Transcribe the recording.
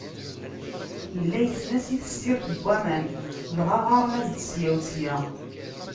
Yella yessnen-as i tessirt n waman, dɣa ɣɣaren-as-d ssya u ssya.